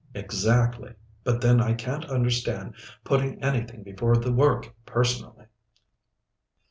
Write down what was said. "Exactly. But then I can't understand putting anything before the work, personally."